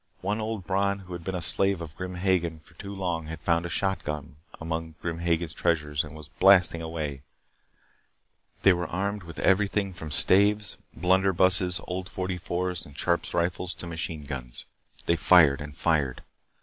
One old Bron who had been a slave of Grim Hagen for too long had found a shotgun among Hagen's treasures and was blasting away. They were armed with everything from staves, blunderbusses, old forty fours and Sharps rifles to machine guns. They fired and fired.